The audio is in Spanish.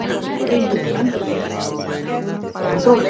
Su cabecera es la ciudad de Zimapán.